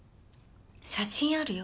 写真あるよ